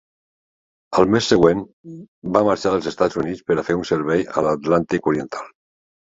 Al mes següent, va marxar dels Estats Units per fer un servei a l'Atlàntic oriental.